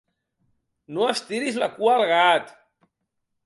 No estiris la cua al gat.